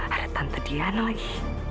ada tante diana lagi